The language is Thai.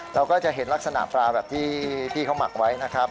เราก็จะเห็นลักษณะปลาแบบที่เขาหมักไว้นะครับ